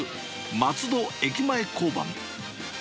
松戸駅前交番。